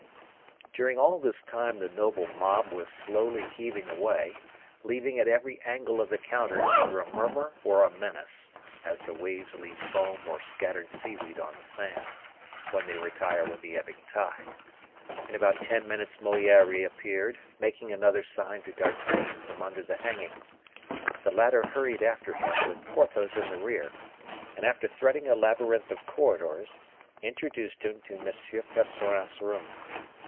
During all this time the noble mob was slowly heaving away, leaving at every angle of the counter either a murmur or a menace, as the waves leave foam or scattered seaweed on the sands, when they retire with the ebbing tide. In about ten minutes Moliere reappeared, making another sign to D'Artagnan from under the hangings. The latter hurried after him, with Porthos in the rear, and after threading a labyrinth of corridors, introduced him to M. Percerin's room.